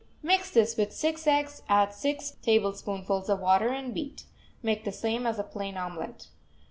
Mix this with six eggs, add six tablespoonfuls of water and beat. Make the same as a plain omelet.